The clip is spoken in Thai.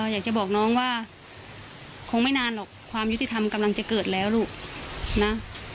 อยากจะบอกน้องว่าคงไม่นานหรอกความยุติธรรมกำลังจะเกิดแล้วลูกนะ